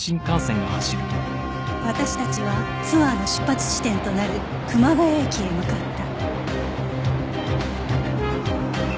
私たちはツアーの出発地点となる熊谷駅へ向かった